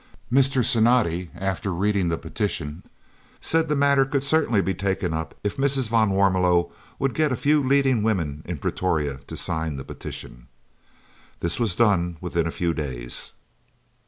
Mr. Cinatti, after reading the petition, said the matter could certainly be taken up if Mrs. van Warmelo would get a few leading women in Pretoria to sign the petition. This was done within a few days.